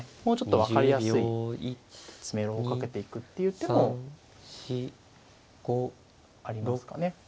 もうちょっと分かりやすい詰めろをかけていくっていう手もありますかね。